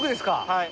はい。